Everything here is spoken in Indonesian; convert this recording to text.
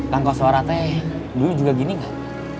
kangkos suara teh dulu juga gini gak